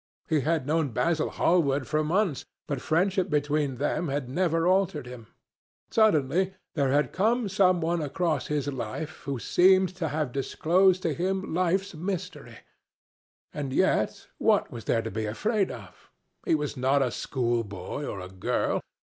He had known Basil Hallward for months, but the friendship between them had never altered him. Suddenly there had come some one across his life who seemed to have disclosed to him life's mystery. And, yet, what was there to be afraid of? He was not a schoolboy or a girl.